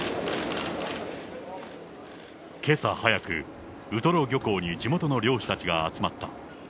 けさ早く、ウトロ漁港に地元の漁師たちが集まった。